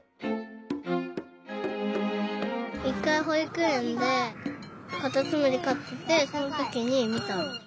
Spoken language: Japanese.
１かいほいくえんでカタツムリかっててそのときにみた。